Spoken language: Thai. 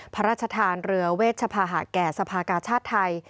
พระราชทานเรือเวชภาหะแก่สภากาชาติไทย